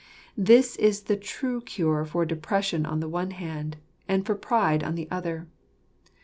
This is the true cure for depression on the one hand, and for pride on the other.